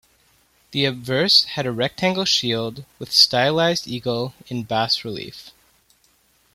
The obverse had a rectangle shield with stylised eagle in bas-relief.